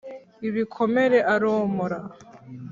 Ibikomere aromora